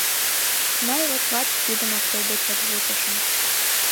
— Мый вот лач тидымак тый дечет вучышым.